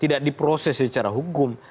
tidak diproses secara hukum